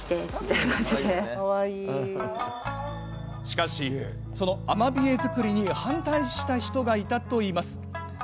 しかし、そのアマビエ作りに反対した人がいたといいます。